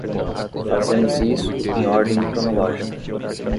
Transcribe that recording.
Fazemos isso em ordem cronológica.